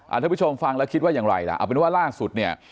ท่านผู้ชมฟังแล้วคิดว่าอย่างไรล่ะเอาเป็นว่าล่าสุดเนี่ย